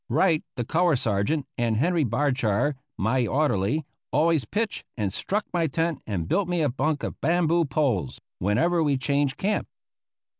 Wright, the color sergeant, and Henry Bardshar, my orderly, always pitched and struck my tent and built me a bunk of bamboo poles, whenever we changed camp.